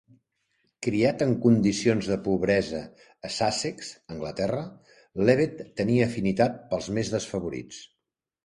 Criat en condicions de pobresa a Sussex, Anglaterra, Levett tenia afinitat pels més desfavorits.